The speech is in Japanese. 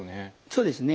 そうですね。